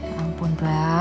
ya ampun mbak